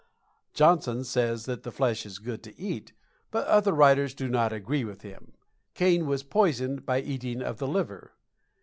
Johnson says that the flesh is good to eat, but other writers do not agree with him. Kane was poisoned by eating of the liver.